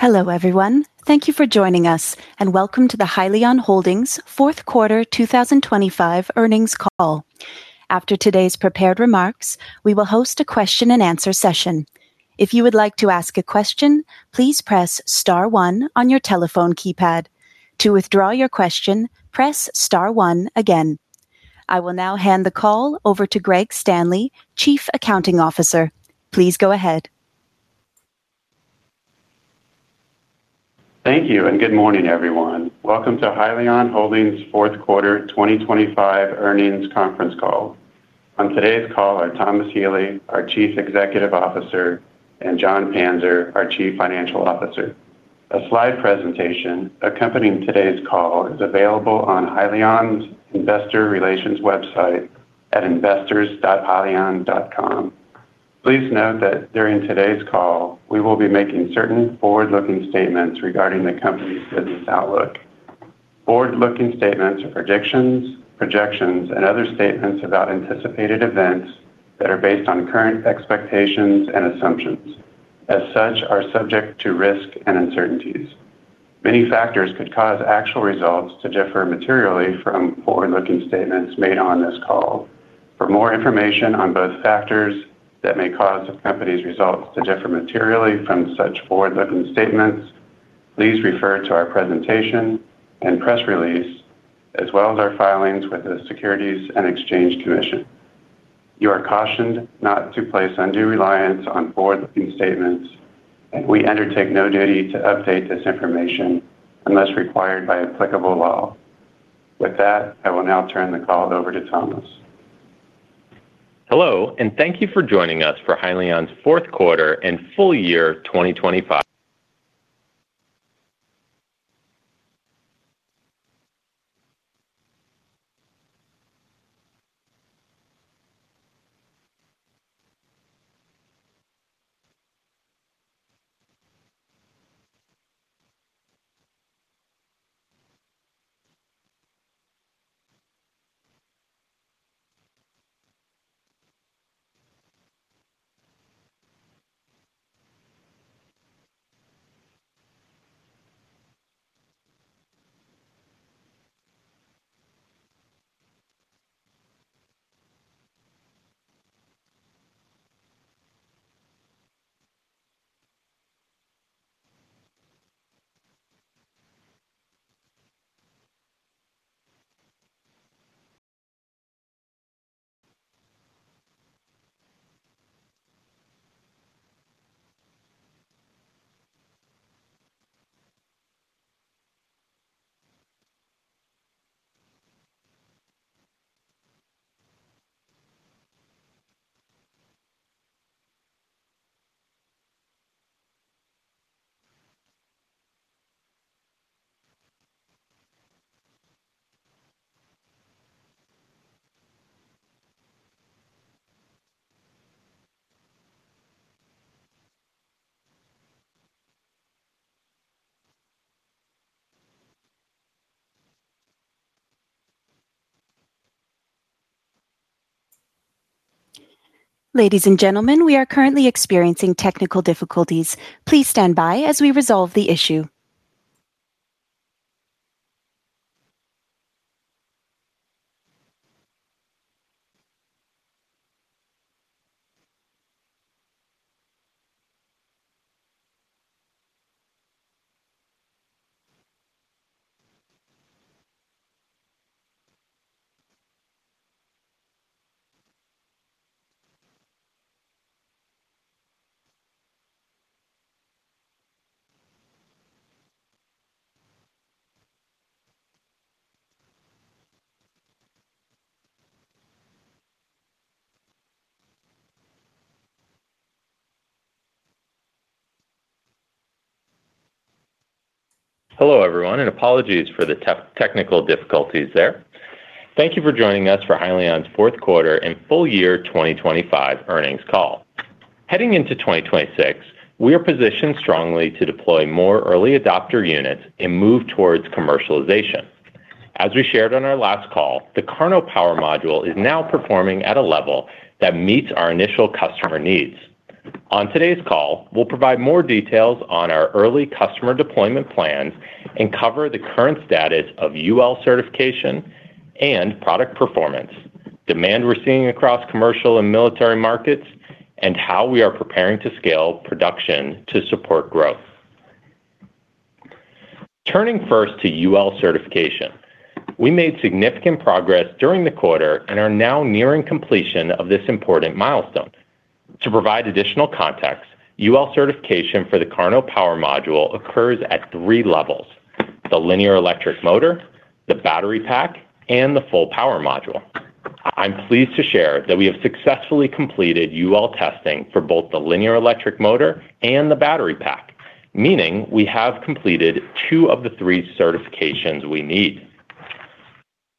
Hello, everyone. Thank you for joining us. Welcome to the Hyliion Holdings Q4 2025 Earnings Call. After today's prepared remarks, we will host a question and answer session. If you would like to ask a question, please press star one on your telephone keypad. To withdraw your question, press star one again. I will now hand the call over to Greg Standley, Chief Accounting Officer. Please go ahead. Thank you, and good morning, everyone. Welcome to Hyliion Holdings Q4 2025 Earnings Conference Call. On today's call are Thomas Healy, our Chief Executive Officer, and Jon Panzer, our Chief Financial Officer. A slide presentation accompanying today's call is available on Hyliion's Investor Relations website at investors.hyliion.com. Please note that during today's call, we will be making certain forward-looking statements regarding the company's business outlook. Forward-looking statements or predictions, projections, and other statements about anticipated events that are based on current expectations and assumptions, as such, are subject to risk and uncertainties. Many factors could cause actual results to differ materially from forward-looking statements made on this call. For more information on those factors that may cause the company's results to differ materially from such forward-looking statements, please refer to our presentation and press release, as well as our filings with the Securities and Exchange Commission. You are cautioned not to place undue reliance on forward-looking statements. We undertake no duty to update this information unless required by applicable law. With that, I will now turn the call over to Thomas. Hello, thank you for joining us for Hyliion's Q4 and full year 2025. Ladies and gentlemen, we are currently experiencing technical difficulties. Please stand by as we resolve the issue. Hello, everyone, and apologies for the technical difficulties there. Thank you for joining us for Hyliion's Q4 and full year 2025 earnings call. Heading into 2026, we are positioned strongly to deploy more early adopter units and move towards commercialization. As we shared on our last call, the Karno Power Module is now performing at a level that meets our initial customer needs. On today's call, we'll provide more details on our early customer deployment plans and cover the current status of UL certification and product performance, demand we're seeing across commercial and military markets, and how we are preparing to scale production to support growth. Turning first to UL certification. We made significant progress during the quarter and are now nearing completion of this important milestone. To provide additional context, UL certification for the KARNO Power Module occurs at three levels: the linear electric motor, the battery pack, and the full Power Module. I'm pleased to share that we have successfully completed UL testing for both the linear electric motor and the battery pack, meaning we have completed two of the three certifications we need.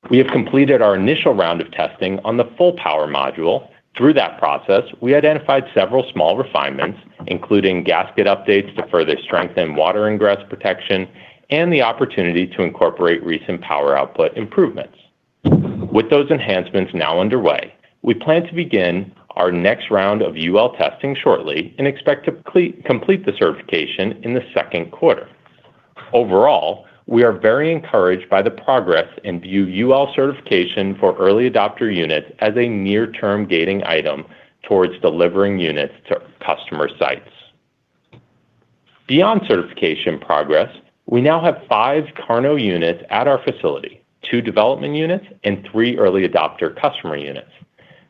We have completed our initial round of testing on the full Power Module. Through that process, we identified several small refinements, including gasket updates to further strengthen water ingress protection and the opportunity to incorporate recent power output improvements. With those enhancements now underway, we plan to begin our next round of UL testing shortly and expect to complete the certification in the Q2. Overall, we are very encouraged by the progress and view UL certification for early adopter units as a near-term gating item towards delivering units to customer sites. Beyond certification progress, we now have five KARNO units at our facility: two development units and three early adopter customer units.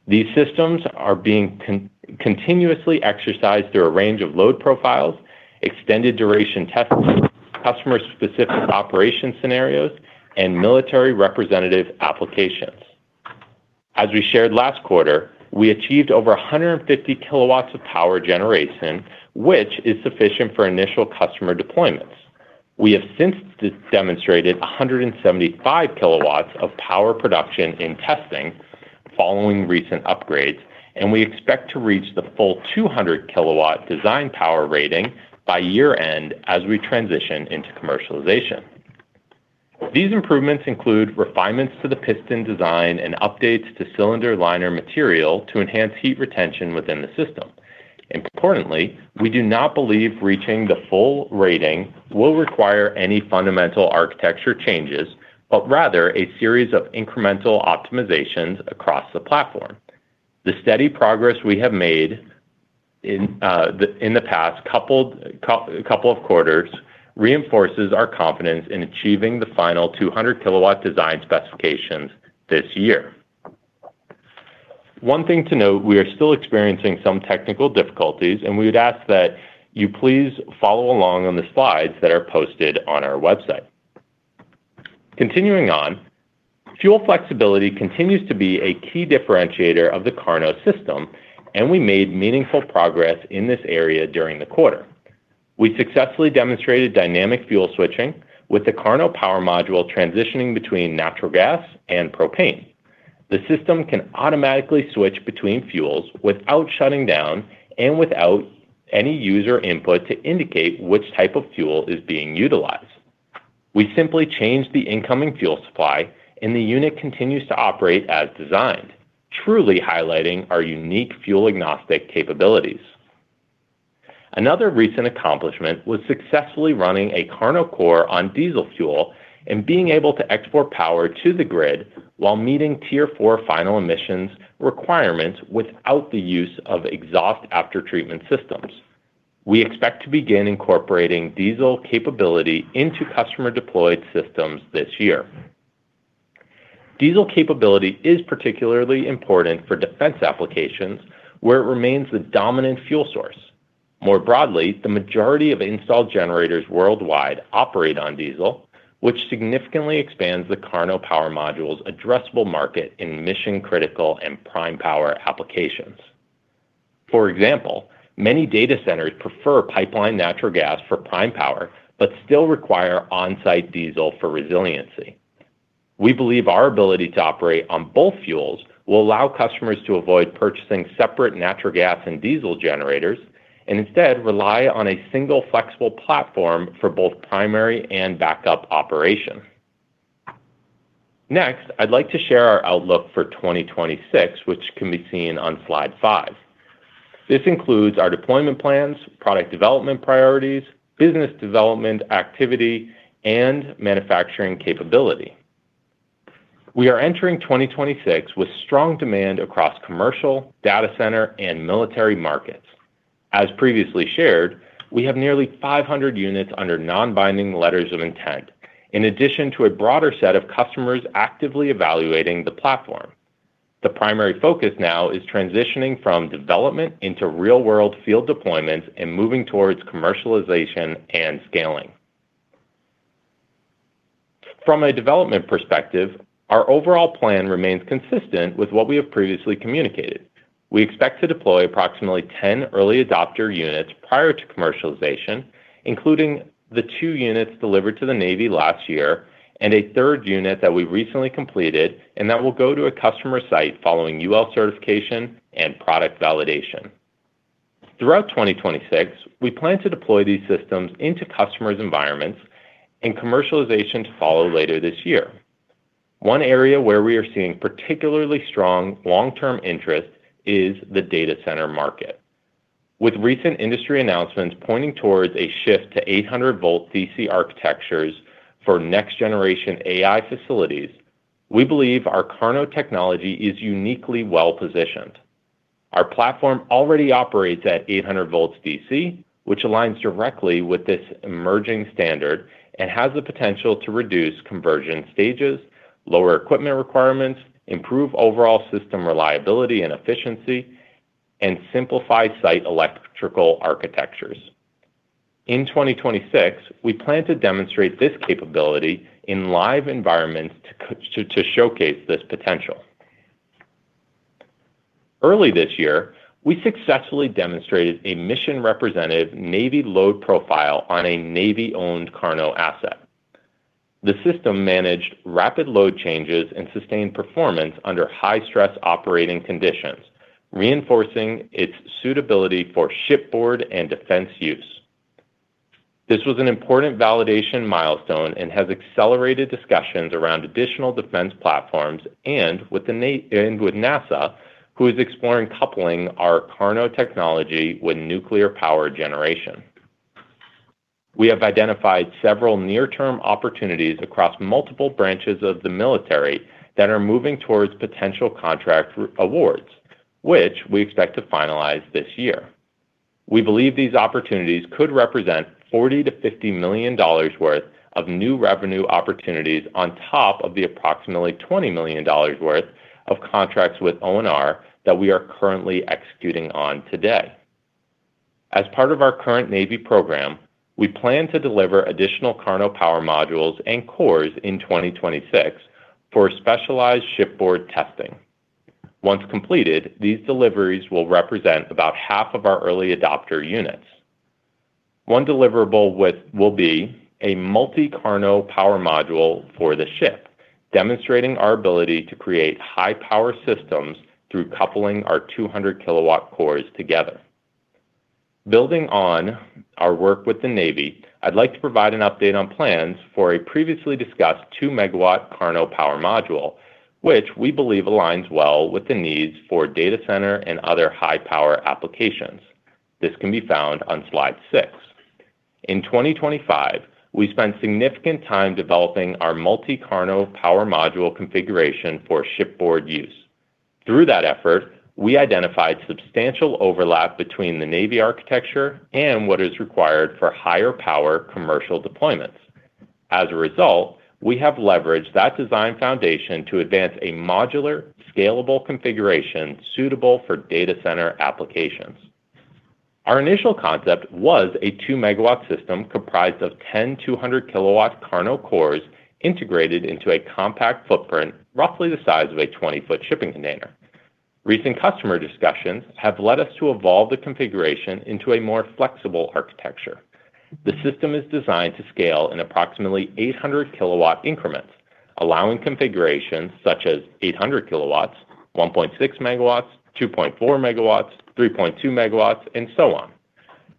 These systems are being continuously exercised through a range of load profiles, extended duration testing, customer-specific operation scenarios, and military representative applications. As we shared last quarter, we achieved over 150 kW of power generation, which is sufficient for initial customer deployments. We have since demonstrated 175 kW of power production in testing following recent upgrades, and we expect to reach the full 200 kW design power rating by year-end as we transition into commercialization. These improvements include refinements to the piston design and updates to cylinder liner material to enhance heat retention within the system. Importantly, we do not believe reaching the full rating will require any fundamental architecture changes, but rather a series of incremental optimizations across the platform. The steady progress we have made in the past couple of quarters reinforces our confidence in achieving the final 200 kW design specifications this year. One thing to note, we are still experiencing some technical difficulties, and we would ask that you please follow along on the slides that are posted on our website. Fuel flexibility continues to be a key differentiator of the KARNO system, and we made meaningful progress in this area during the quarter. We successfully demonstrated dynamic fuel switching with the KARNO power module transitioning between natural gas and propane. The system can automatically switch between fuels without shutting down and without any user input to indicate which type of fuel is being utilized. We simply change the incoming fuel supply, and the unit continues to operate as designed, truly highlighting our unique fuel-agnostic capabilities. Another recent accomplishment was successfully running a KARNO Core on diesel fuel and being able to export power to the grid while meeting Tier 4 Final emissions requirements without the use of exhaust aftertreatment systems. We expect to begin incorporating diesel capability into customer-deployed systems this year. Diesel capability is particularly important for defense applications, where it remains the dominant fuel source. More broadly, the majority of installed generators worldwide operate on diesel, which significantly expands the KARNO Power Module's addressable market in mission-critical and prime power applications. For example, many data centers prefer pipeline natural gas for prime power but still require on-site diesel for resiliency. We believe our ability to operate on both fuels will allow customers to avoid purchasing separate natural gas and diesel generators and instead rely on a single flexible platform for both primary and backup operation. I'd like to share our outlook for 2026, which can be seen on slide five. This includes our deployment plans, product development priorities, business development activity, and manufacturing capability. We are entering 2026 with strong demand across commercial, data center, and military markets. As previously shared, we have nearly 500 units under non-binding letters of intent, in addition to a broader set of customers actively evaluating the platform. The primary focus now is transitioning from development into real-world field deployments and moving towards commercialization and scaling. From a development perspective, our overall plan remains consistent with what we have previously communicated. We expect to deploy approximately 10 early adopter units prior to commercialization, including the two units delivered to the Navy last year and a third unit that we recently completed, and that will go to a customer site following UL certification and product validation. Throughout 2026, we plan to deploy these systems into customers' environments and commercialization to follow later this year. One area where we are seeing particularly strong long-term interest is the data center market. With recent industry announcements pointing towards a shift to 800V DC architectures for next-generation AI facilities, we believe our KARNO technology is uniquely well-positioned. Our platform already operates at 800V DC, which aligns directly with this emerging standard and has the potential to reduce conversion stages, lower equipment requirements, improve overall system reliability and efficiency, and simplify site electrical architectures. In 2026, we plan to demonstrate this capability in live environments to showcase this potential. Early this year, we successfully demonstrated a mission-representative Navy load profile on a Navy-owned KARNO asset. The system managed rapid load changes and sustained performance under high-stress operating conditions, reinforcing its suitability for shipboard and defense use. This was an important validation milestone and has accelerated discussions around additional defense platforms and with NASA, who is exploring coupling our KARNO technology with nuclear power generation. We have identified several near-term opportunities across multiple branches of the military that are moving towards potential contract awards, which we expect to finalize this year. We believe these opportunities could represent $40 million-$50 million worth of new revenue opportunities on top of the approximately $20 million worth of contracts with ONR that we are currently executing on today. As part of our current Navy program, we plan to deliver additional KARNO Power Modules and KARNO Cores in 2026 for specialized shipboard testing. Once completed, these deliveries will represent about half of our early adopter units. One deliverable will be a multi-KARNO power module for the ship, demonstrating our ability to create high-power systems through coupling our 200 kW cores together. Building on our work with the U.S. Navy, I'd like to provide an update on plans for a previously discussed 2-MW KARNO Power Module, which we believe aligns well with the needs for data center and other high-power applications. This can be found on slide six. In 2025, we spent significant time developing our multi-KARNO power module configuration for shipboard use. Through that effort, we identified substantial overlap between the U.S. Navy architecture and what is required for higher power commercial deployments. We have leveraged that design foundation to advance a modular, scalable configuration suitable for data center applications. Our initial concept was a 2-MW system comprised of 10, 20O kW KARNO Cores integrated into a compact footprint, roughly the size of a 20-foot shipping container. Recent customer discussions have led us to evolve the configuration into a more flexible architecture. The system is designed to scale in approximately 800 kW increments, allowing configurations such as 800 kW, 1.6 MW 2.4 MW, 3.2 MW, and so on.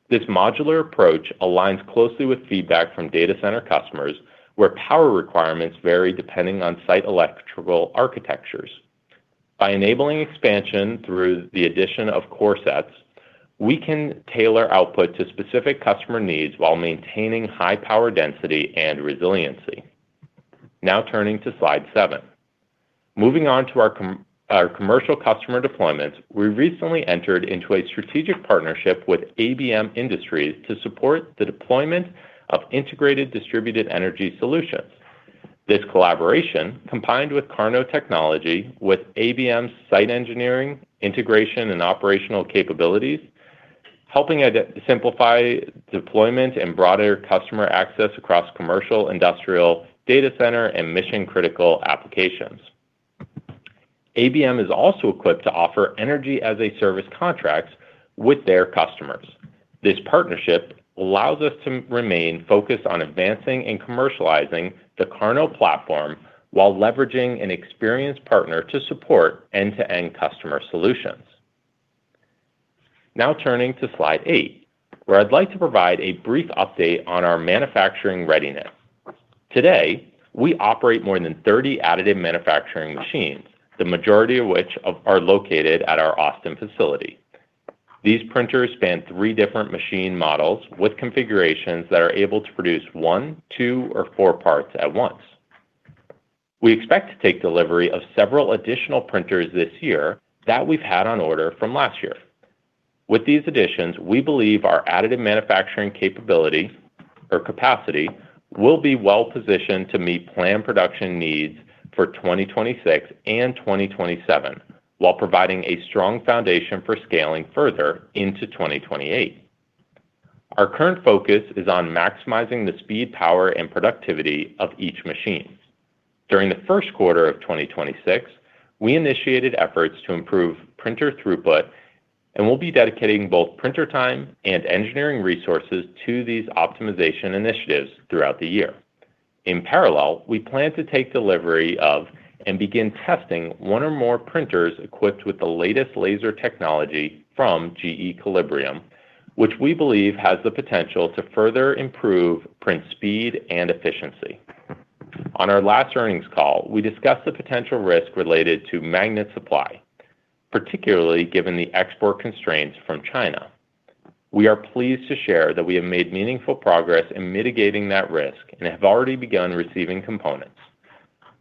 This modular approach aligns closely with feedback from data center customers, where power requirements vary depending on site electrical architectures. By enabling expansion through the addition of core sets, we can tailor output to specific customer needs while maintaining high power density and resiliency. Turning to slide seven. Moving on to our commercial customer deployments, we recently entered into a strategic partnership with ABM Industries to support the deployment of integrated distributed energy solutions. This collaboration, combined with KARNO technology, with ABM's site engineering, integration, and operational capabilities, helping simplify deployment and broader customer access across commercial, industrial, data center, and mission-critical applications. ABM is also equipped to offer Energy-as-a-Service contracts with their customers. This partnership allows us to remain focused on advancing and commercializing the KARNO platform while leveraging an experienced partner to support end-to-end customer solutions. Turning to slide eight, where I'd like to provide a brief update on our manufacturing readiness. Today, we operate more than 30 additive manufacturing machines, the majority of which are located at our Austin facility. These printers span three different machine models with configurations that are able to produce one, two, or four parts at once. We expect to take delivery of several additional printers this year that we've had on order from last year. With these additions, we believe our additive manufacturing capability or capacity will be well positioned to meet planned production needs for 2026 and 2027, while providing a strong foundation for scaling further into 2028. Our current focus is on maximizing the speed, power, and productivity of each machine. During the Q1 of 2026, we initiated efforts to improve printer throughput, and we'll be dedicating both printer time and engineering resources to these optimization initiatives throughout the year. In parallel, we plan to take delivery of and begin testing one or more printers equipped with the latest laser technology from GE Equilibrium, which we believe has the potential to further improve print speed and efficiency. On our last earnings call, we discussed the potential risk related to magnet supply, particularly given the export constraints from China. We are pleased to share that we have made meaningful progress in mitigating that risk and have already begun receiving components.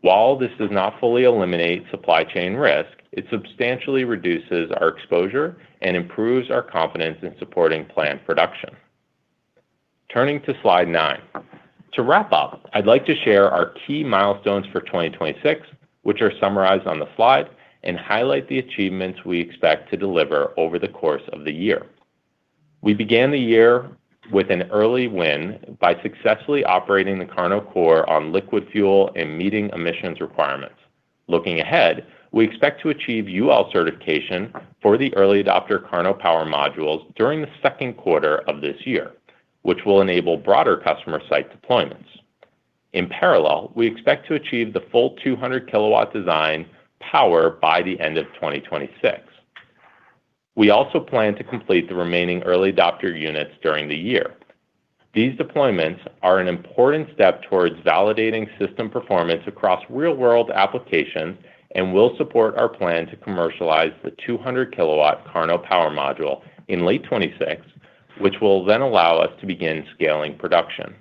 While this does not fully eliminate supply chain risk, it substantially reduces our exposure and improves our confidence in supporting planned production. Turning to slide nine. To wrap up, I'd like to share our key milestones for 2026, which are summarized on the slide, and highlight the achievements we expect to deliver over the course of the year. We began the year with an early win by successfully operating the KARNO Core on liquid fuel and meeting emissions requirements. Looking ahead, we expect to achieve UL certification for the early adopter KARNO Power Modules during the Q2 of this year, which will enable broader customer site deployments. In parallel, we expect to achieve the full 200 kW design power by the end of 2026. We also plan to complete the remaining early adopter units during the year. These deployments are an important step towards validating system performance across real-world applications, and will support our plan to commercialize the 200 kW KARNO Power Module in late 2026, which will then allow us to begin scaling production.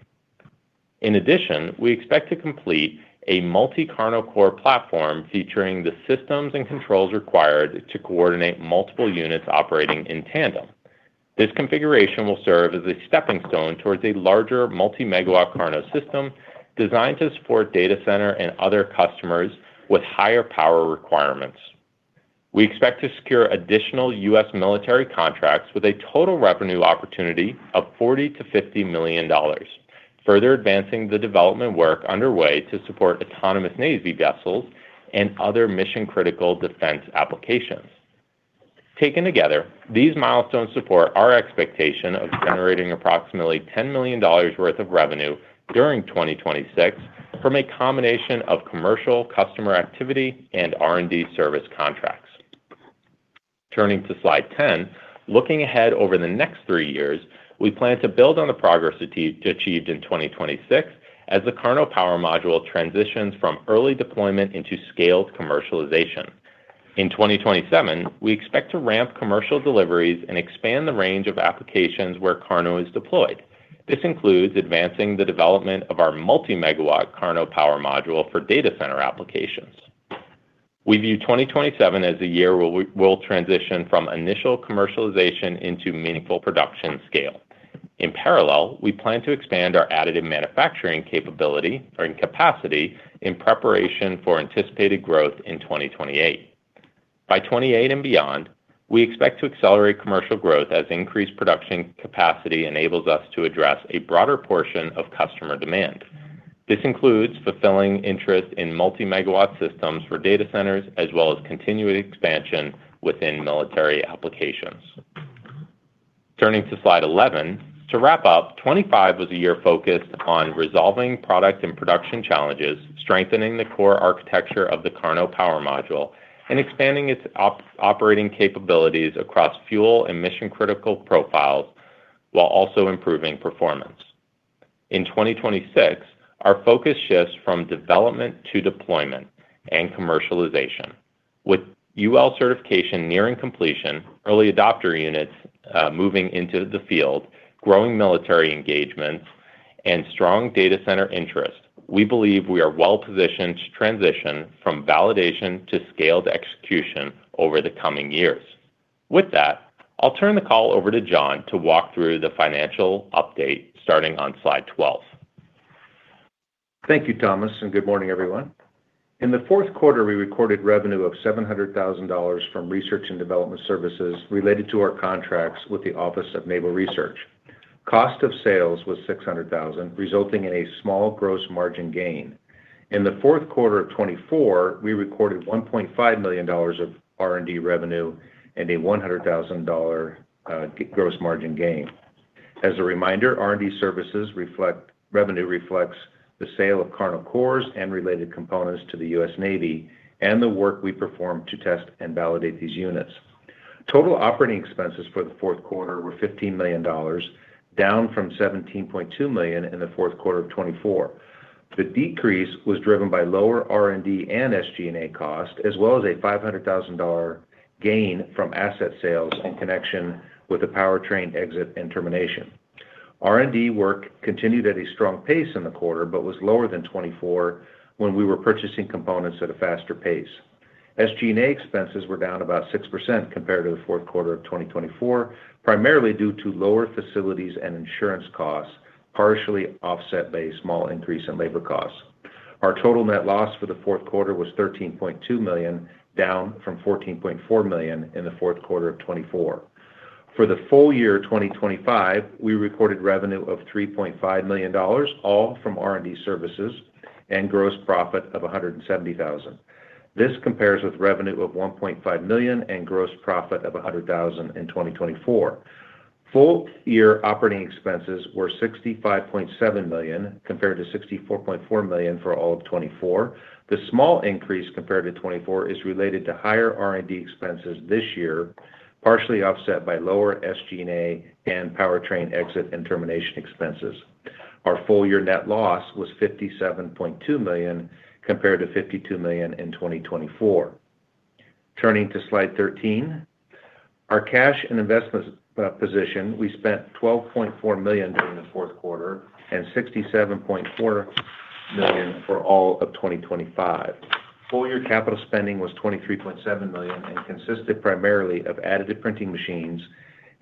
In addition, we expect to complete a multi-KARNO Core platform featuring the systems and controls required to coordinate multiple units operating in tandem. This configuration will serve as a stepping stone towards a larger multi-megawatt KARNO system designed to support data center and other customers with higher power requirements. We expect to secure additional U.S. military contracts with a total revenue opportunity of $40 million-$50 million, further advancing the development work underway to support autonomous Navy vessels and other mission-critical defense applications. Taken together, these milestones support our expectation of generating approximately $10 million worth of revenue during 2026 from a combination of commercial customer activity and R&D service contracts. Turning to slide 10. Looking ahead, over the next three years, we plan to build on the progress achieved in 2026 as the KARNO Power Module transitions from early deployment into scaled commercialization. In 2027, we expect to ramp commercial deliveries and expand the range of applications where KARNO is deployed. This includes advancing the development of our multi-megawatt KARNO Power Module for data center applications. We view 2027 as a year where we'll transition from initial commercialization into meaningful production scale. In parallel, we plan to expand our additive manufacturing capability or in capacity, in preparation for anticipated growth in 2028. By 2028 and beyond, we expect to accelerate commercial growth as increased production capacity enables us to address a broader portion of customer demand. This includes fulfilling interest in multi-megawatt systems for data centers, as well as continued expansion within military applications. Turning to slide 11. To wrap up, 2025 was a year focused on resolving product and production challenges, strengthening the core architecture of the KARNO Power Module, and expanding its operating capabilities across fuel and mission-critical profiles while also improving performance. In 2026, our focus shifts from development to deployment and commercialization. With UL certification nearing completion, early adopter units, moving into the field, growing military engagements and strong data center interest, we believe we are well-positioned to transition from validation to scaled execution over the coming years. With that, I'll turn the call over to Jon to walk through the financial update, starting on slide 12. Thank you, Thomas, and good morning, everyone. In the Q4, we recorded revenue of $700,000 from research and development services related to our contracts with the Office of Naval Research. Cost of sales was $600,000, resulting in a small gross margin gain. In the Q4 of 2024, we recorded $1.5 million of R&D revenue and a $100,000 gross margin gain. As a reminder, R&D services revenue reflects the sale of KARNO cores and related components to the U.S. Navy, and the work we perform to test and validate these units. Total operating expenses for the Q4 were $15 million, down from $17.2 million in the Q4 of 2024. The decrease was driven by lower R&D and SG&A costs, as well as a $500,000 gain from asset sales in connection with the powertrain exit and termination. R&D work continued at a strong pace in the quarter, but was lower than 2024 when we were purchasing components at a faster pace. SG&A expenses were down about 6% compared to the Q4 of 2024, primarily due to lower facilities and insurance costs, partially offset by a small increase in labor costs. Our total net loss for the Q4 was $13.2 million, down from $14.4 million in the Q4 of 2024. For the full year 2025, we recorded revenue of $3.5 million, all from R&D services, and gross profit of $170,000. This compares with revenue of $1.5 million and gross profit of $100,000 in 2024. Full-year operating expenses were $65.7 million, compared to $64.4 million for all of 2024. The small increase compared to 2024 is related to higher R&D expenses this year, partially offset by lower SG&A and powertrain exit and termination expenses. Our full-year net loss was $57.2 million, compared to $52 million in 2024. Turning to slide 13, our cash and investments position. We spent $12.4 million during the Q4 and $67.4 million for all of 2025. Full-year capital spending was $23.7 million and consisted primarily of additive printing machines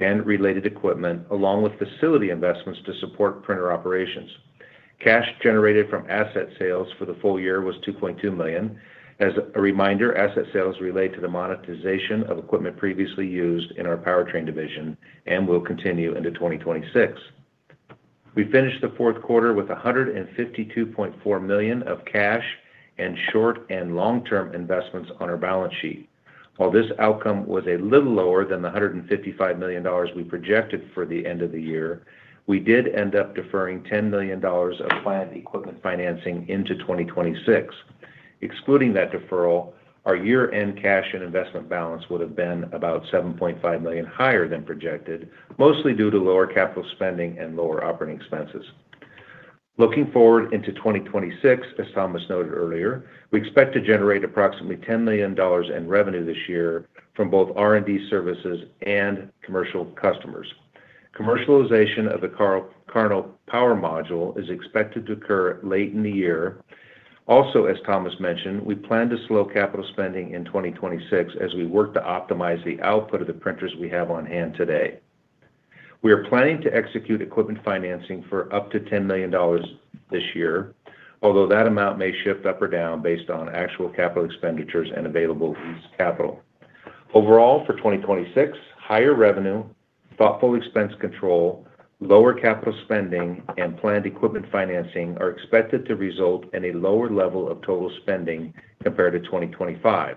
and related equipment, along with facility investments to support printer operations. Cash generated from asset sales for the full year was $2.2 million. As a reminder, asset sales relate to the monetization of equipment previously used in our powertrain division and will continue into 2026. We finished the Q4 with $152.4 million of cash and short and long-term investments on our balance sheet. While this outcome was a little lower than the $155 million we projected for the end of the year, we did end up deferring $10 million of planned equipment financing into 2026. Excluding that deferral, our year-end cash and investment balance would have been about $7.5 million higher than projected, mostly due to lower CapEx and lower OpEx. Looking forward into 2026, as Thomas noted earlier, we expect to generate approximately $10 million in revenue this year from both R&D services and commercial customers. Commercialization of the KARNO Power Module is expected to occur late in the year. As Thomas mentioned, we plan to slow capital spending in 2026 as we work to optimize the output of the printers we have on hand today. We are planning to execute equipment financing for up to $10 million this year, although that amount may shift up or down based on actual capital expenditures and available lease capital. For 2026, higher revenue, thoughtful expense control, lower capital spending, and planned equipment financing are expected to result in a lower level of total spending compared to 2025.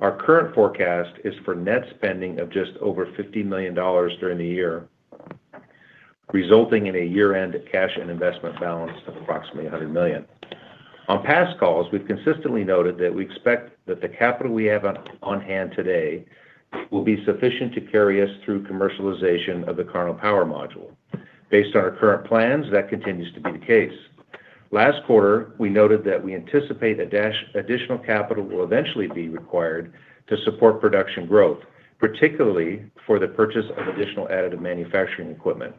Our current forecast is for net spending of just over $50 million during the year, resulting in a year-end cash and investment balance of approximately $100 million. On past calls, we've consistently noted that we expect that the capital we have on hand today will be sufficient to carry us through commercialization of the KARNO Power Module. Based on our current plans, that continues to be the case. Last quarter, we noted that we anticipate that additional capital will eventually be required to support production growth, particularly for the purchase of additional additive manufacturing equipment.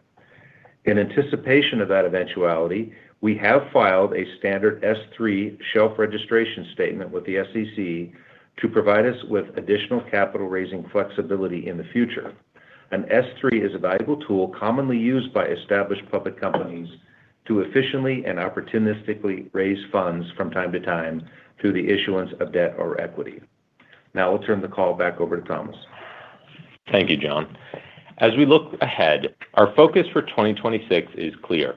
In anticipation of that eventuality, we have filed a standard S-3 shelf registration statement with the SEC to provide us with additional capital raising flexibility in the future. An S-3 is a valuable tool commonly used by established public companies to efficiently and opportunistically raise funds from time to time through the issuance of debt or equity. Now I'll turn the call back over to Thomas. Thank you, Jon. As we look ahead, our focus for 2026 is clear: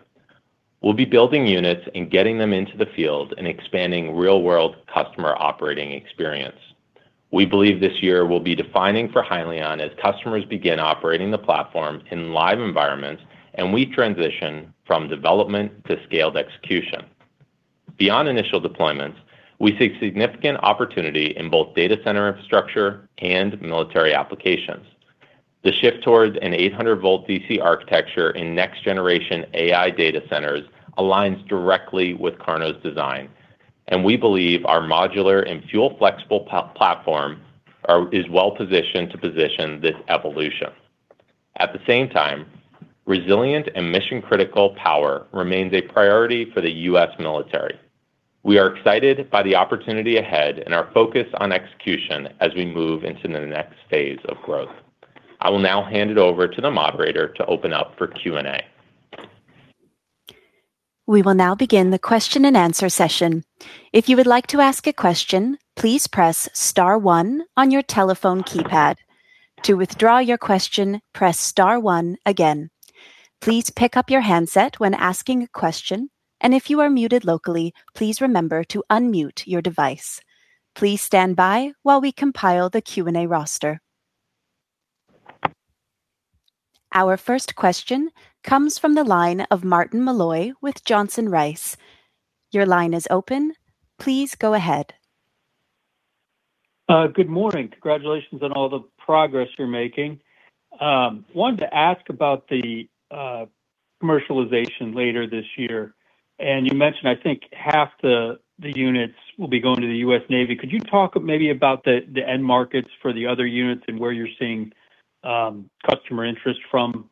we'll be building units and getting them into the field and expanding real-world customer operating experience. We believe this year will be defining for Hyliion as customers begin operating the platform in live environments, and we transition from development to scaled execution. Beyond initial deployments, we seek significant opportunity in both data center infrastructure and military applications. The shift towards an 800V DC architecture in next generation AI data centers aligns directly with KARNO's design, and we believe our modular and fuel flexible platform is well positioned to position this evolution. At the same time, resilient and mission-critical power remains a priority for the U.S. military. We are excited by the opportunity ahead and our focus on execution as we move into the next phase of growth. I will now hand it over to the moderator to open up for Q&A. We will now begin the question-and-answer session. If you would like to ask a question, please press star one on your telephone keypad. To withdraw your question, press star one again. Please pick up your handset when asking a question, and if you are muted locally, please remember to unmute your device. Please stand by while we compile the Q&A roster. Our first question comes from the line of Martin Malloy with Johnson Rice. Your line is open. Please go ahead. Good morning. Congratulations on all the progress you're making. Wanted to ask about the commercialization later this year. You mentioned, I think, half the units will be going to the U.S. Navy. Could you talk maybe about the end markets for the other units and where you're seeing customer interest from?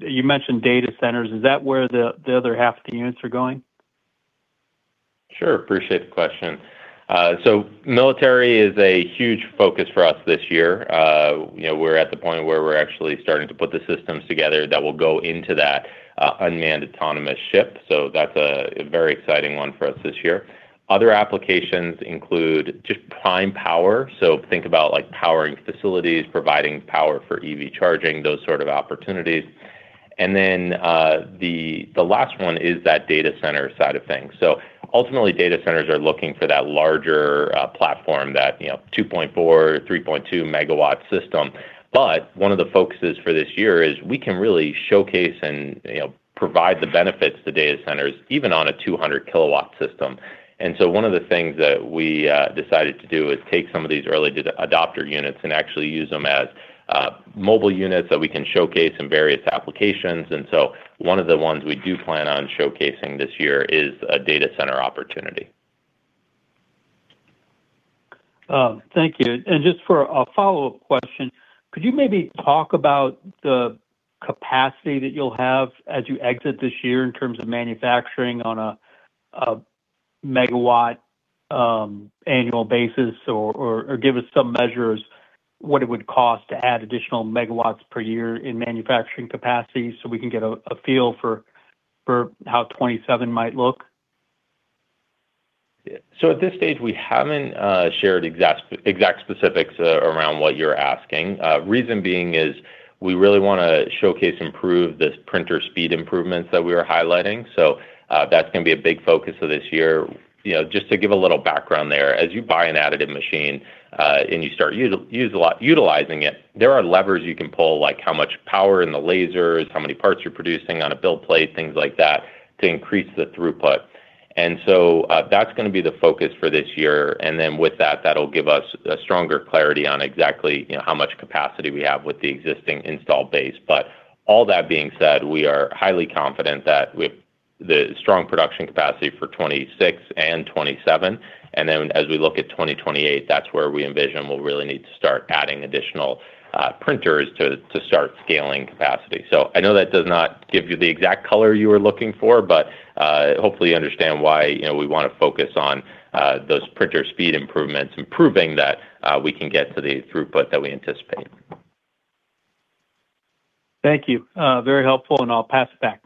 You mentioned data centers. Is that where the other half of the units are going? Sure. Appreciate the question. Military is a huge focus for us this year. You know, we're at the point where we're actually starting to put the systems together that will go into that unmanned autonomous ship, so that's a very exciting one for us this year. Other applications include just prime power. Think about, like, powering facilities, providing power for EV charging, those sort of opportunities. The last one is that data center side of things. Ultimately, data centers are looking for that larger platform, that, you know, 2.4 MW, 3.2 MW system. One of the focuses for this year is we can really showcase and, you know, provide the benefits to data centers, even on a 200 kW system. One of the things that we decided to do is take some of these early adopter units and actually use them as mobile units that we can showcase in various applications. One of the ones we do plan on showcasing this year is a data center opportunity. Thank you. Just for a follow-up question, could you maybe talk about the capacity that you'll have as you exit this year in terms of manufacturing on a megawatt annual basis? Or give us some measures what it would cost to add additional megawatts per year in manufacturing capacity, so we can get a feel for how 2027 might look? At this stage, we haven't shared exact specifics around what you're asking. Reason being is we really wanna showcase, improve this printer speed improvements that we are highlighting. That's gonna be a big focus of this year. You know, just to give a little background there, as you buy an additive machine, and you start utilizing it, there are levers you can pull, like how much power in the lasers, how many parts you're producing on a build plate, things like that, to increase the throughput. That's gonna be the focus for this year, and then with that'll give us a stronger clarity on exactly, you know, how much capacity we have with the existing install base. All that being said, we are highly confident that with the strong production capacity for 26 and 27, and then as we look at 2028, that's where we envision we'll really need to start adding additional printers to start scaling capacity. I know that does not give you the exact color you were looking for, but hopefully you understand why, you know, we wanna focus on those printer speed improvements, improving that we can get to the throughput that we anticipate. Thank you. Very helpful, and I'll pass it back.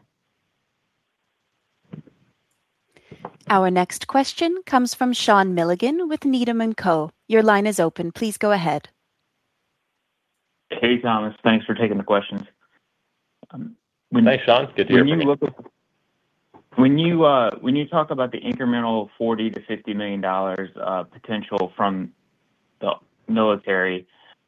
Our next question comes from Sean Milligan with Needham & Company. Your line is open. Please go ahead. Hey, Thomas. Thanks for taking the questions. Hey, Sean. It's good to hear you. When you, when you talk about the incremental $40 million-$50 million of potential from the military,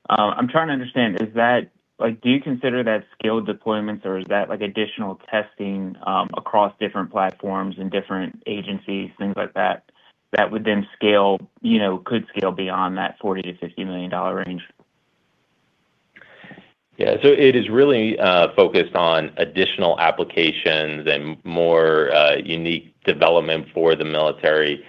I'm trying to understand, is that Like, do you consider that scaled deployments, or is that, like, additional testing, across different platforms and different agencies, things like that would then scale, you know, could scale beyond that $40 million-$50 million range? Yeah. It is really focused on additional applications and more unique development for the military.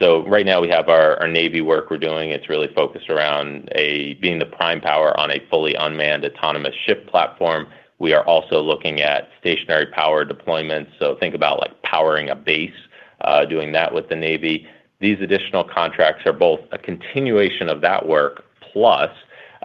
Right now, we have our Navy work we're doing. It's really focused around being the prime power on a fully unmanned autonomous ship platform. We are also looking at stationary power deployments, think about, like, powering a base, doing that with the Navy. These additional contracts are both a continuation of that work, plus,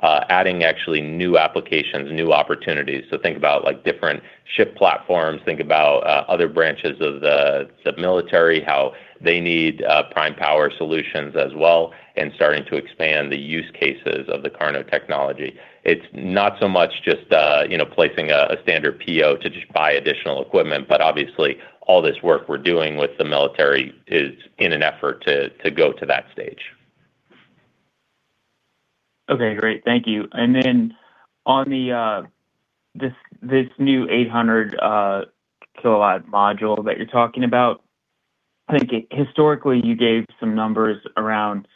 adding actually new applications, new opportunities. Think about, like, different ship platforms, think about, other branches of the military, how they need prime power solutions as well, and starting to expand the use cases of the KARNO technology. It's not so much just, you know, placing a standard PO to just buy additional equipment, but obviously, all this work we're doing with the military is in an effort to go to that stage. Okay, great. Thank you. On this new 800 kW module that you're talking about, I think historically, you gave some numbers around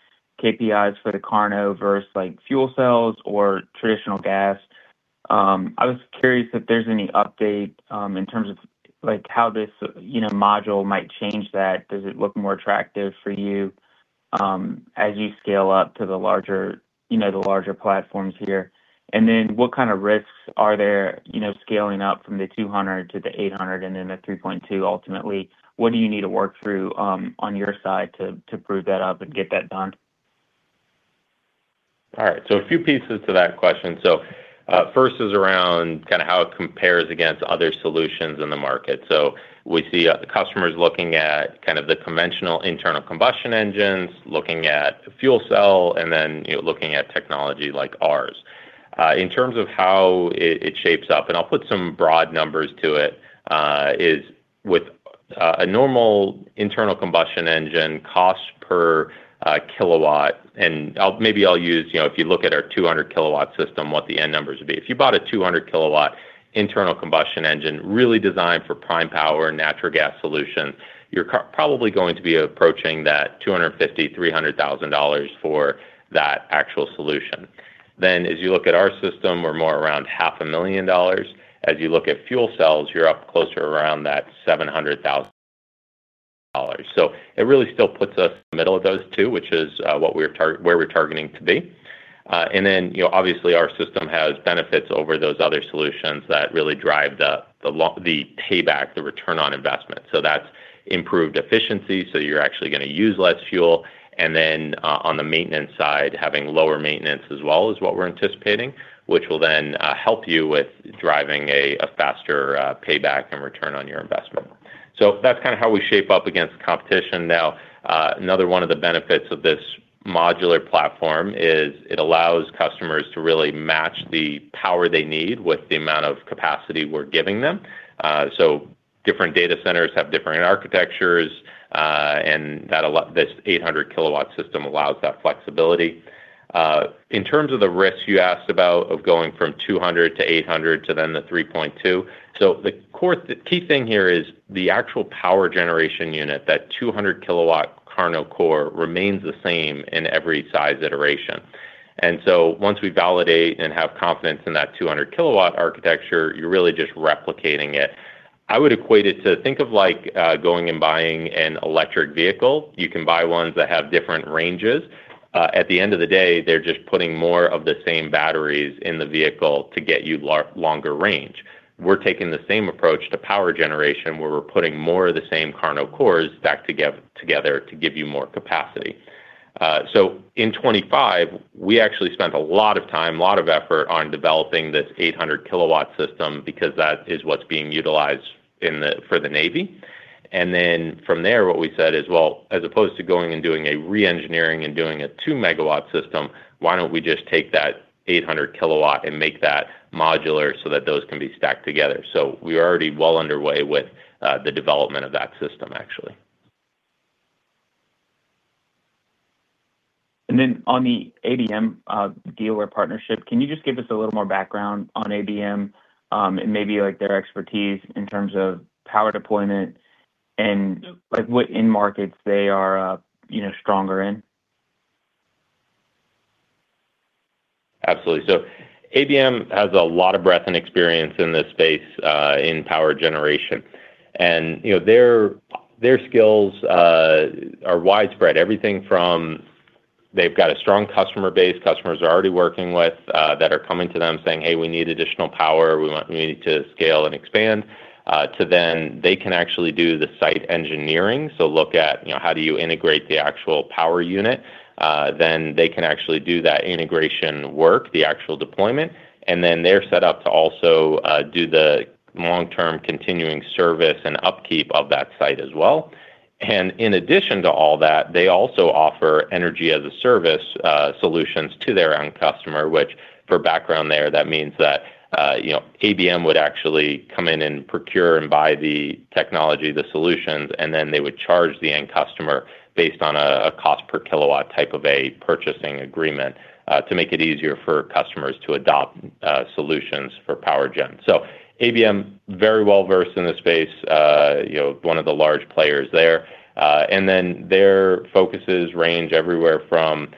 KPIs for the KARNO versus, like, fuel cells or traditional gas. I was curious if there's any update in terms of, like, how this, you know, module might change that. Does it look more attractive for you as you scale up to the larger, you know, the larger platforms here? What kind of risks are there, you know, scaling up from the 200 to the 800 and then the three point two ultimately? What do you need to work through on your side to prove that up and get that done? A few pieces to that question. First is around kind of how it compares against other solutions in the market. We see the customers looking at kind of the conventional internal combustion engines, looking at fuel cell, and then, you know, looking at technology like ours. In terms of how it shapes up, and I'll put some broad numbers to it, is with a normal internal combustion engine, cost per kilowatt, maybe I'll use, you know, if you look at our 200 kW system, what the end numbers would be. If you bought a 200 kW internal combustion engine, really designed for prime power and natural gas solutions, you're probably going to be approaching that $250,000-$300,000 for that actual solution. As you look at our system, we're more around half a million dollars. As you look at fuel cells, you're up closer around that $700,000. It really still puts us in the middle of those two, which is where we're targeting to be. You know, obviously, our system has benefits over those other solutions that really drive the payback, the ROI. That's improved efficiency, so you're actually gonna use less fuel, and then, on the maintenance side, having lower maintenance as well, is what we're anticipating, which will then, help you with driving a faster, payback and ROI. That's kinda how we shape up against the competition. Another one of the benefits of this modular platform is it allows customers to really match the power they need with the amount of capacity we're giving them. Different data centers have different architectures, and this 800 kW system allows that flexibility. In terms of the risks you asked about of going from 200-800 to then the three point two, the key thing here is the actual power generation unit, that 200 kW KARNO Core, remains the same in every size iteration. Once we validate and have confidence in that 200 kW architecture, you're really just replicating it. I would equate it to think of like, going and buying an electric vehicle. You can buy ones that have different ranges. At the end of the day, they're just putting more of the same batteries in the vehicle to get you longer range. We're taking the same approach to power generation, where we're putting more of the same KARNO cores back together to give you more capacity. In 2025, we actually spent a lot of time, a lot of effort on developing this 800 kW system because that is what's being utilized for the Navy. From there, what we said is, "Well, as opposed to going and doing a reengineering and doing a two-megawatt system, why don't we just take that 800 kilowatt and make that modular so that those can be stacked together?" We're already well underway with the development of that system, actually. On the ABM dealer partnership, can you just give us a little more background on ABM, and maybe, like, their expertise in terms of power deployment and, like, what end markets they are, you know, stronger in? Absolutely. ABM has a lot of breadth and experience in this space, in power generation. You know, their skills are widespread. Everything from they've got a strong customer base, customers they're already working with, that are coming to them saying, "Hey, we need additional power. We need to scale and expand." They can actually do the site engineering, so look at, you know, how do you integrate the actual power unit? They can actually do that integration work, the actual deployment. They're set up to also do the long-term continuing service and upkeep of that site as well. In addition to all that, they also offer Energy-as-a-Service solutions to their end customer, which, for background there, that means that, you know, ABM would actually come in and procure and buy the technology, the solutions, and then they would charge the end customer based on a cost per kilowatt type of a purchasing agreement to make it easier for customers to adopt solutions for power gen. ABM, very well-versed in this space, you know, one of the large players there. Their focuses range everywhere from,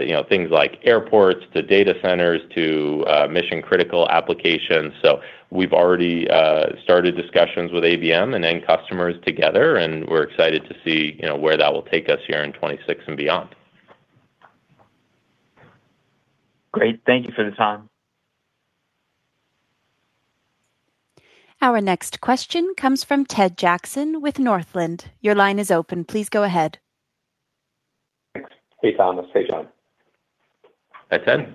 you know, things like airports, to data centers, to mission-critical applications. We've already started discussions with ABM and end customers together, and we're excited to see, you know, where that will take us here in 2026 and beyond. Great. Thank you for the time. Our next question comes from Tedd Jackson with Northland. Your line is open. Please go ahead. Thanks. Hey, Thomas. Hey, Jon. Hi, Ted.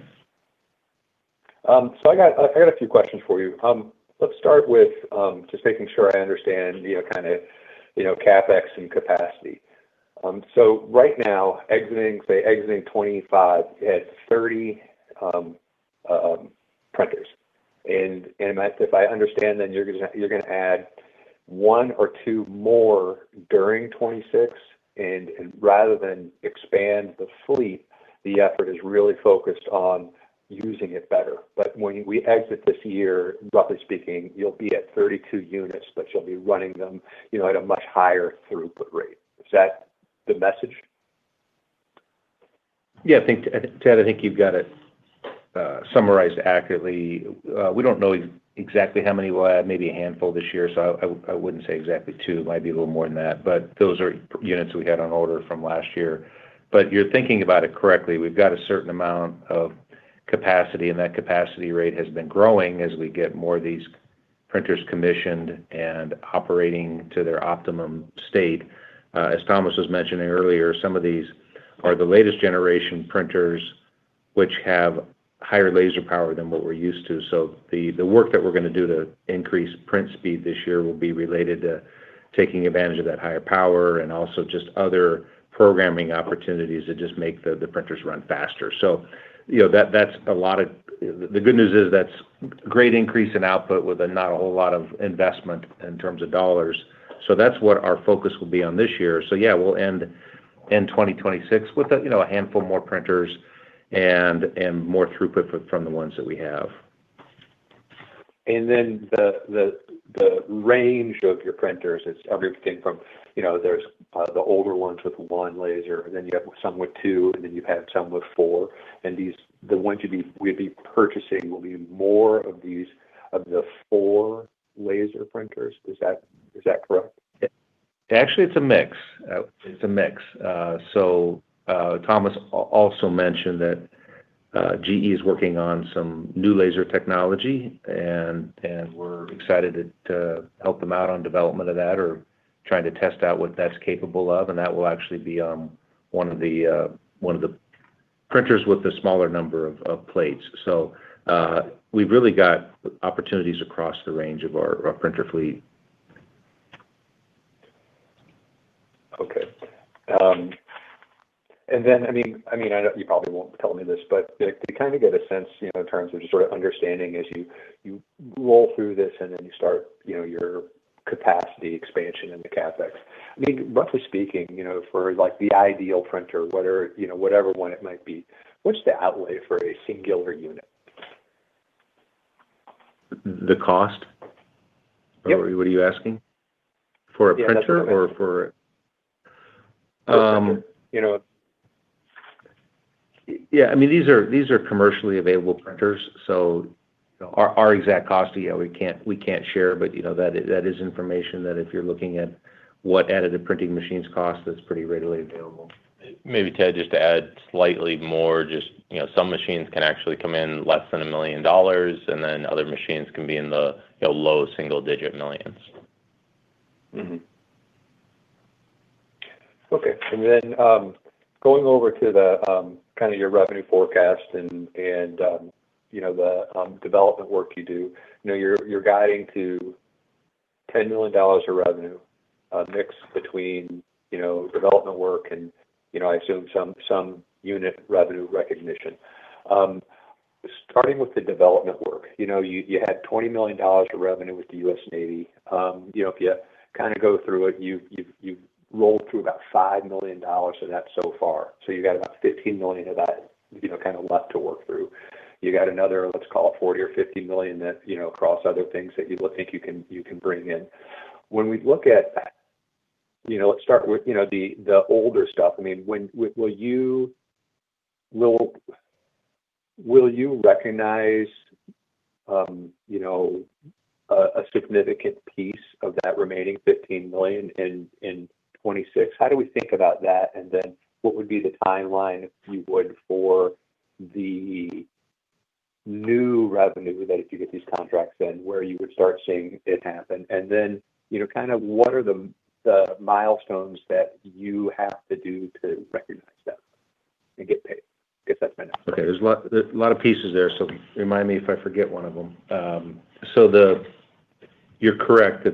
I got a few questions for you. Let's start with just making sure I understand, you know, kind of, you know, CapEx and capacity. Right now, exiting, say, exiting 25 at 30 printers. If I understand, then you're gonna add one or two more during 2026, and rather than expand the fleet, the effort is really focused on using it better. When we exit this year, roughly speaking, you'll be at 32 units, but you'll be running them, you know, at a much higher throughput rate. Is that the message? Yeah, I think, Ted, I think you've got it summarized accurately. We don't know exactly how many we'll add, maybe a handful this year, so I wouldn't say exactly two. It might be a little more than that, but those are units we had on order from last year. You're thinking about it correctly. We've got a certain amount of capacity, and that capacity rate has been growing as we get more of these printers commissioned and operating to their optimum state. As Thomas was mentioning earlier, some of these are the latest generation printers, which have higher laser power than what we're used to. The work that we're gonna do to increase print speed this year will be related to taking advantage of that higher power and also just other programming opportunities that just make the printers run faster. You know, that's a lot of... The, the good news is that's great increase in output with a not a whole lot of investment in terms of dollars. That's what our focus will be on this year. Yeah, we'll end 2026 with a, you know, a handful more printers and more throughput from the ones that we have. Then the range of your printers is everything from, you know, there's the older ones with one laser, and then you have some with two, and then you have some with four. These, the ones we'd be purchasing will be more of these, of the four laser printers. Is that correct? Actually, it's a mix. Thomas also mentioned that GE is working on some new laser technology, and we're excited to help them out on development of that or trying to test out what that's capable of, and that will actually be one of the printers with the smaller number of plates. We've really got opportunities across the range of our printer fleet. Okay. I mean, I know you probably won't tell me this, but to kind of get a sense, you know, in terms of just sort of understanding as you roll through this, you start, you know, your capacity expansion in the CapEx. I mean, roughly speaking, you know, for, like, the ideal printer, whatever one it might be, what's the outlay for a singular unit? The cost? Yep. What are you asking? For a printer- Yeah, that's what I meant. Or for... Um- You know. Yeah, I mean, these are commercially available printers, so our exact cost, yeah, we can't share. You know, that is information that if you're looking at what additive printing machines cost, that's pretty readily available. Maybe, Ted, just to add slightly more, just, you know, some machines can actually come in less than $1 million, and then other machines can be in the, you know, low single-digit millions. Okay. Going over to the kind of your revenue forecast and the development work you do. You're guiding to $10 million of revenue, a mix between development work and I assume some unit revenue recognition. Starting with the development work, you had $20 million of revenue with the U.S. Navy. If you kind of go through it, you've rolled through about $5 million of that so far. You've got about $15 million of that kind of left to work through. You got another, let's call it $40 million or $50 million that across other things that you think you can bring in. When we look at, you know, let's start with, you know, the older stuff. I mean, when will you recognize, you know, a significant piece of that remaining $15 million in 2026? How do we think about that? What would be the timeline, if you would, for the new revenue that if you get these contracts in, where you would start seeing it happen? You know, kind of what are the milestones that you have to do to recognize that and get paid? Get that financial. Okay, there's a lot of pieces there, so remind me if I forget one of them. You're correct,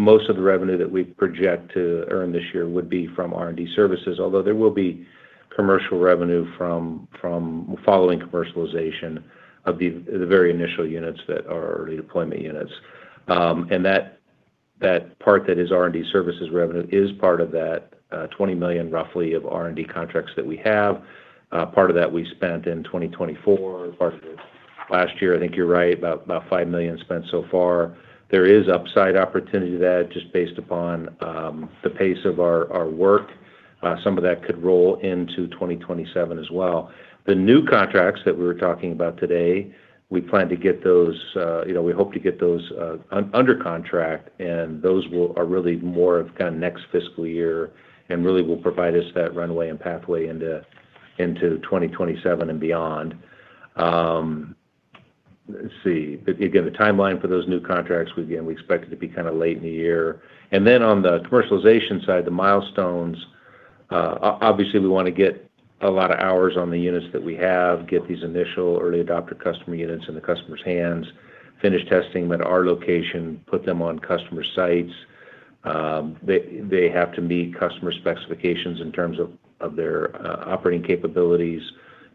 that most of the revenue that we project to earn this year would be from R&D services, although there will be commercial revenue from following commercialization of the very initial units that are early deployment units. That part that is R&D services revenue is part of that $20 million, roughly, of R&D contracts that we have. Part of that we spent in 2024, part of it last year. I think you're right, about $5 million spent so far. There is upside opportunity to that, just based upon the pace of our work. Some of that could roll into 2027 as well. The new contracts that we were talking about today, we plan to get those, you know, we hope to get those under contract, and those will are really more of kind of next fiscal year, and really will provide us that runway and pathway into 2027 and beyond. Let's see. Again, the timeline for those new contracts, we expect it to be kind of late in the year. On the commercialization side, the milestones, obviously, we want to get a lot of hours on the units that we have, get these initial early adopter customer units in the customer's hands, finish testing them at our location, put them on customer sites. They have to meet customer specifications in terms of their operating capabilities.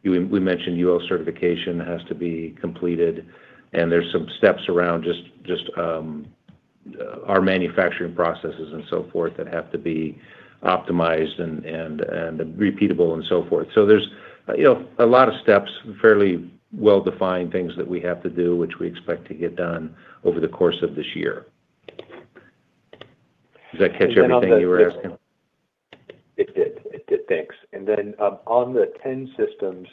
We mentioned UL certification has to be completed. There's some steps around just our manufacturing processes and so forth, that have to be optimized and repeatable and so forth. There's, you know, a lot of steps, fairly well-defined things that we have to do, which we expect to get done over the course of this year. Does that catch everything you were asking? It did. It did. Thanks. Then, on the 10 systems,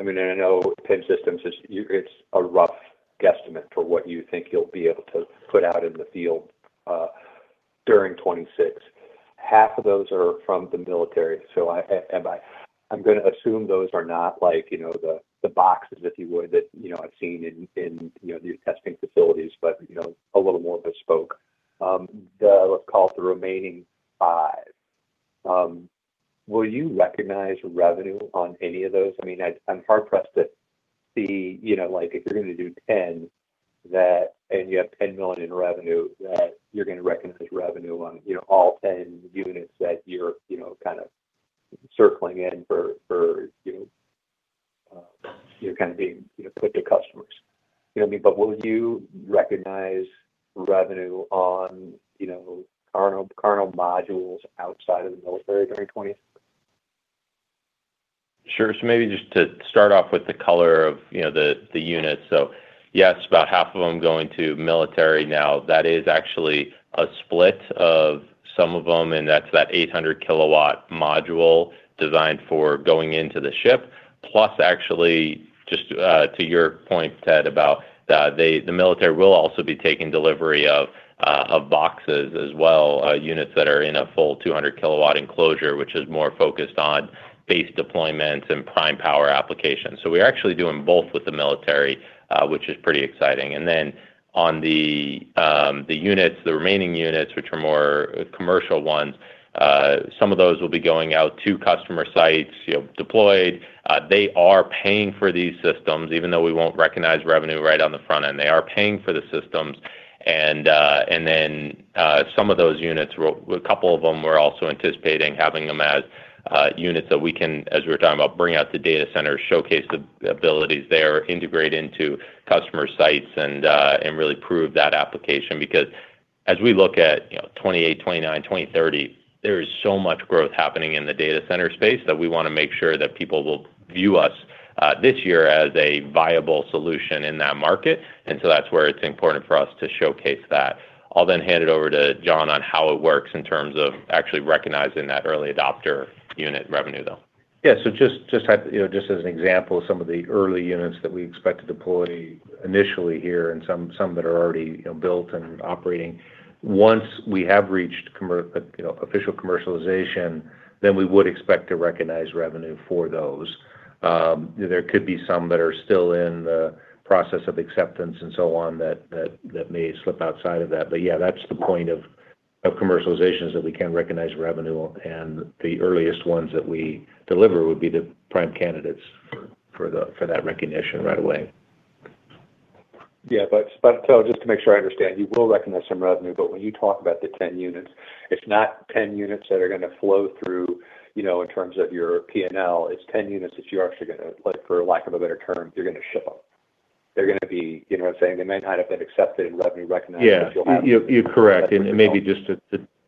I mean, I know 10 systems is, it's a rough guesstimate for what you think you'll be able to put out in the field, during 2026. Half of those are from the military, I'm gonna assume those are not like, you know, the boxes, if you would, that, you know, I've seen in, you know, these testing facilities, but, you know, a little more bespoke. The, let's call it the remaining five, will you recognize revenue on any of those? I mean, I'm hard-pressed to see, you know, like, if you're gonna do 10 that, and you have $10 million in revenue, that you're gonna recognize revenue on, you know, all 10 units that you're, you know, kind of circling in for, you know, kind of being, you know, put to customers. You know what I mean? Will you recognize revenue on, you know, KARNO modules outside of the military during 2020? Sure. Maybe just to start off with the color of, you know, the units. Yes, about half of them going to military now, that is actually a split of some of them, and that's that 800 kW module designed for going into the ship. Actually, just to your point, Ted, about that the military will also be taking delivery of boxes as well, units that are in a full 200 kW enclosure, which is more focused on base deployments and prime power applications. We're actually doing both with the military, which is pretty exciting. On the units, the remaining units, which are more commercial ones, some of those will be going out to customer sites, you know, deployed. They are paying for these systems, even though we won't recognize revenue right on the front end. They are paying for the systems and then some of those units, well, a couple of them, we're also anticipating having them as units that we can, as we were talking about, bring out to data centers, showcase the abilities there, integrate into customer sites, and really prove that application. Because as we look at, you know, 2028, 2029, 2030, there is so much growth happening in the data center space, that we want to make sure that people will view us this year as a viable solution in that market. That's where it's important for us to showcase that. I'll then hand it over to John on how it works in terms of actually recognizing that early adopter unit revenue, though. Just, you know, just as an example, some of the early units that we expect to deploy initially here and some that are already, you know, built and operating. Once we have reached, you know, official commercialization, then we would expect to recognize revenue for those. There could be some that are still in the process of acceptance and so on, that may slip outside of that. That's the point of commercialization, is that we can recognize revenue, and the earliest ones that we deliver would be the prime candidates for that recognition right away.... Yeah, but so just to make sure I understand, you will recognize some revenue, but when you talk about the 10 units, it's not 10 units that are gonna flow through, you know, in terms of your PNL, it's 10 units that you're actually gonna, like, for lack of a better term, you're gonna ship them. They're gonna be... You know what I'm saying? They may not have been accepted, revenue recognized- Yeah. You'll have- You're correct. Maybe just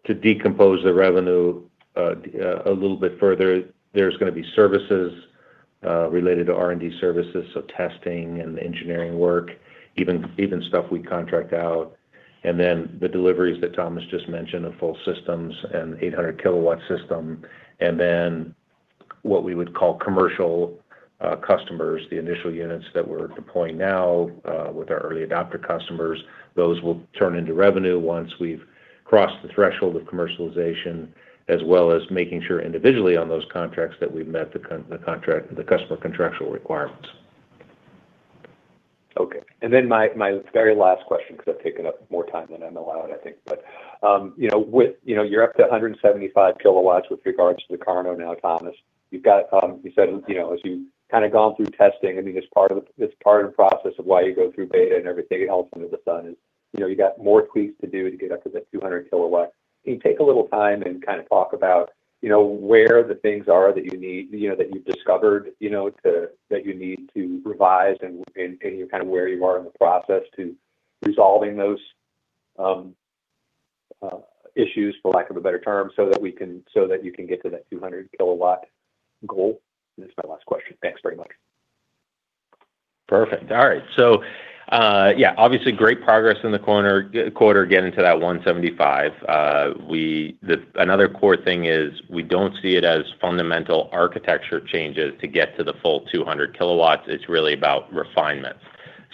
to decompose the revenue a little bit further, there's gonna be services related to R&D services, so testing and engineering work, even stuff we contract out. The deliveries that Thomas just mentioned of full systems and 800 kW system, and then what we would call commercial customers, the initial units that we're deploying now with our early adopter customers, those will turn into revenue once we've crossed the threshold of commercialization, as well as making sure individually on those contracts that we've met the contract, the customer contractual requirements. Okay. My, my very last question, 'cause I've taken up more time than I'm allowed, I think. You know, you know, you're up to 175 kW with regards to the KARNO now, Thomas. You've got, you said, you know, as you've kind of gone through testing, I mean, it's part of, it's part of the process of why you go through beta and everything. It all under the sun is, you know, you got more tweaks to do to get up to that 200 kW. Can you take a little time and kind of talk about, you know, where the things are that you need, you know, that you've discovered, you know, to, that you need to revise and kind of where you are in the process to resolving those issues, for lack of a better term, so that you can get to that 200 kW goal? This is my last question. Thanks very much. Perfect. All right. Obviously, great progress in the quarter, getting to that 175. Another core thing is we don't see it as fundamental architecture changes to get to the full 200 kW. It's really about refinement.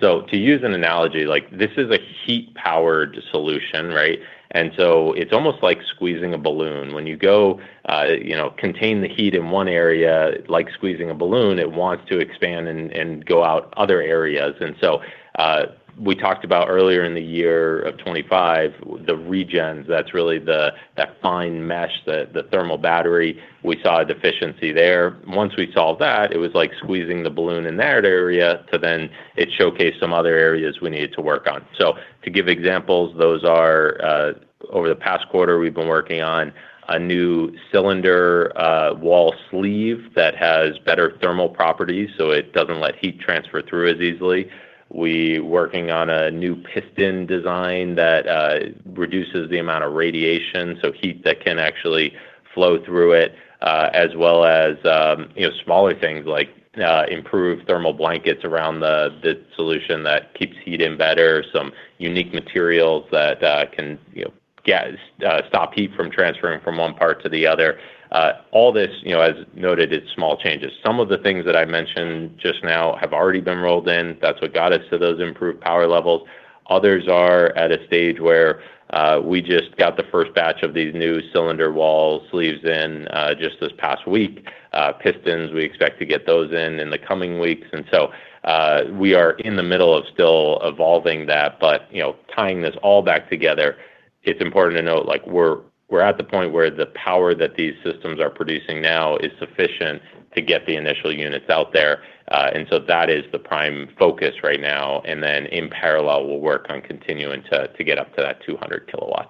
To use an analogy, like, this is a heat-powered solution, right? It's almost like squeezing a balloon. When you go, you know, contain the heat in one area, like squeezing a balloon, it wants to expand and go out other areas. We talked about earlier in the year of 2025, the regenerator, that's really the fine mesh, the thermal battery. We saw a deficiency there. Once we solved that, it was like squeezing the balloon in that area to then it showcased some other areas we needed to work on. To give examples, those are, over the past quarter, we've been working on a new cylinder wall sleeve that has better thermal properties, so it doesn't let heat transfer through as easily. We working on a new piston design that reduces the amount of radiation, so heat that can actually flow through it, as well as, you know, smaller things like improved thermal blankets around the solution that keeps heat in better, some unique materials that can, you know, stop heat from transferring from one part to the other. All this, you know, as noted, it's small changes. Some of the things that I mentioned just now have already been rolled in. That's what got us to those improved power levels. Others are at a stage where, we just got the first batch of these new cylinder wall sleeves in, just this past week. Pistons, we expect to get those in in the coming weeks. We are in the middle of still evolving that, but, you know, tying this all back together, it's important to note, like, we're at the point where the power that these systems are producing now is sufficient to get the initial units out there. That is the prime focus right now, and then in parallel, we'll work on continuing to get up to that 200 kW.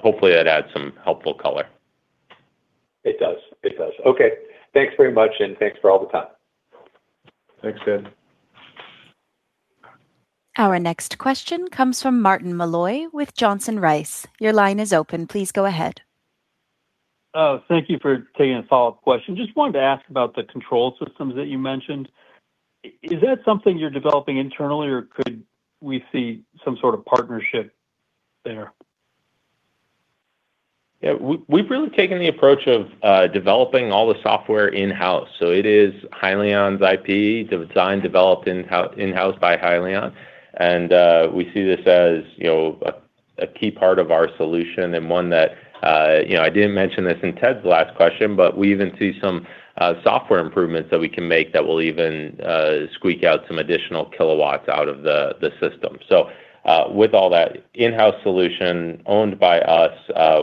Hopefully that adds some helpful color. It does. It does. Okay. Thanks very much, and thanks for all the time. Thanks, Ted. Our next question comes from Martin Malloy with Johnson Rice. Your line is open. Please go ahead. Thank you for taking a follow-up question. Just wanted to ask about the control systems that you mentioned. Is that something you're developing internally, or could we see some sort of partnership there? Yeah, we've really taken the approach of developing all the software in-house, so it is Hyliion's IP, designed, developed in-house, in-house by Hyliion. We see this as, you know, a key part of our solution and one that, you know, I didn't mention this in Ted's last question, but we even see some software improvements that we can make that will even squeak out some additional kilowatts out of the system. With all that in-house solution owned by us,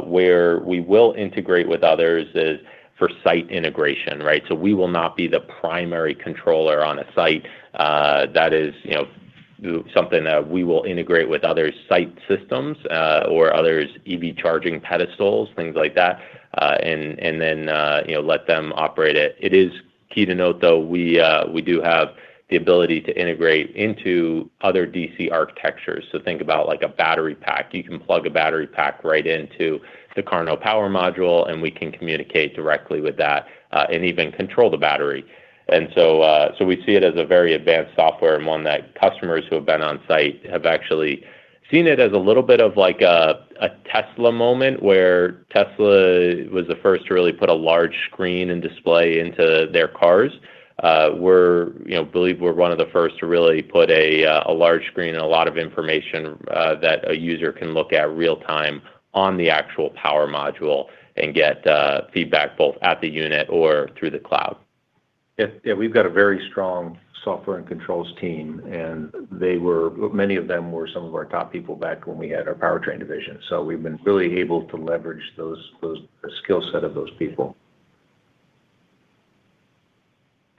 where we will integrate with others is for site integration, right? We will not be the primary controller on a site. That is, you know, something that we will integrate with other site systems or others' EV charging pedestals, things like that, and then, you know, let them operate it. It is key to note, though, we do have the ability to integrate into other DC architectures. So think about like a battery pack. You can plug a battery pack right into the KARNO Power Module, and we can communicate directly with that and even control the battery. We see it as a very advanced software and one that customers who have been on site have actually seen it as a little bit of like a Tesla moment, where Tesla was the first to really put a large screen and display into their cars. you know, believe we're one of the first to really put a large screen and a lot of information that a user can look at real time on the actual power module and get feedback, both at the unit or through the cloud. Yeah, we've got a very strong software and controls team, and many of them were some of our top people back when we had our powertrain division. We've been really able to leverage those, the skill set of those people.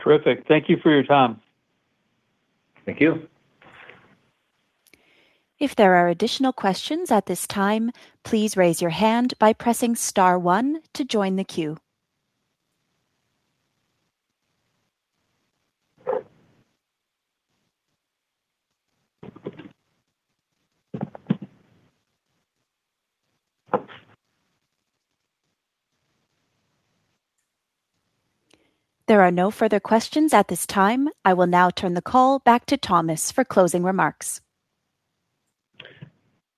Terrific. Thank you for your time. Thank you. If there are additional questions at this time, please raise your hand by pressing star one to join the queue. There are no further questions at this time. I will now turn the call back to Thomas for closing remarks.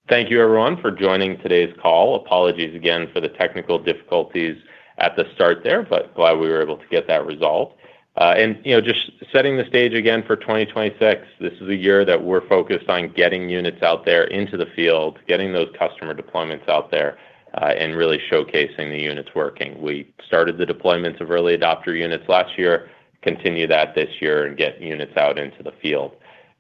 Thank you, everyone, for joining today's call. Apologies again for the technical difficulties at the start there, but glad we were able to get that resolved. You know, just setting the stage again for 2026, this is a year that we're focused on getting units out there into the field, getting those customer deployments out there, and really showcasing the units working. We started the deployments of early adopter units last year, continue that this year and get units out into the field.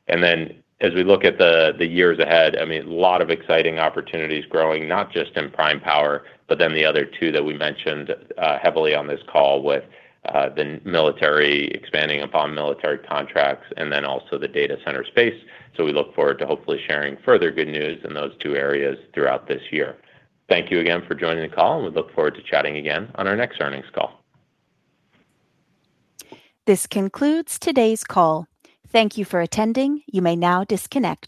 Then as we look at the years ahead, I mean, a lot of exciting opportunities growing, not just in prime power, but then the other two that we mentioned heavily on this call with the military, expanding upon military contracts and then also the data center space. We look forward to hopefully sharing further good news in those two areas throughout this year. Thank you again for joining the call, and we look forward to chatting again on our next earnings call. This concludes today's call. Thank you for attending. You may now disconnect.